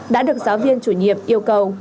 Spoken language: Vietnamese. đã được giáo viên chủ nhiệm yêu cầu